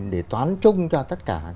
để toán chung cho tất cả